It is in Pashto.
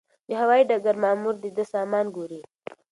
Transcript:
د هوايي ډګر مامور د ده سامان ګوري.